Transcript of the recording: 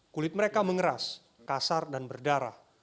kulit mereka mengeras kasar dan berdarah